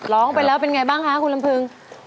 ร้องไปแล้วเป็นไงบ้างคะคุณลำพึง